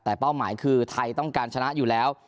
แต่เป้าหมายคือไทยต้องการชนะอยู่แล้ว